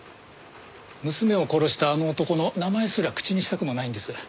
娘を殺したあの男の名前すら口にしたくもないんです。